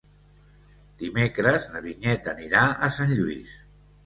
Dimecres na Vinyet anirà a Sant Lluís.